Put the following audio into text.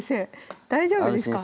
大丈夫ですか？